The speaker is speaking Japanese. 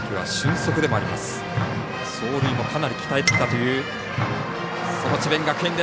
走塁もかなり鍛えてきたという智弁学園。